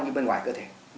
như bên ngoài cơ thể